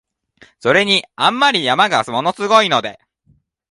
それに、あんまり山が物凄いので、